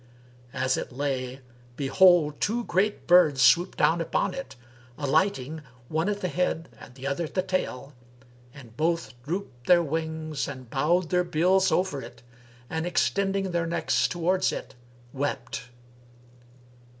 As it lay, behold, two great birds swooped down upon it alighting, one at the head and the other at the tail, and both drooped their wings and bowed their bills over it and, extending their necks towards it, wept.